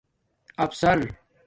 افسر